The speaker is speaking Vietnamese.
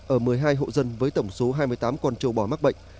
ở một mươi hai hộ dân với tổng số hai mươi tám con trâu bò mắc bệnh